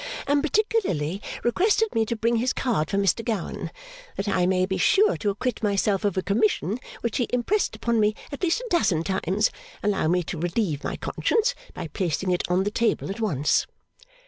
and particularly requested me to bring his card for Mr Gowan. That I may be sure to acquit myself of a commission which he impressed upon me at least a dozen times, allow me to relieve my conscience by placing it on the table at once.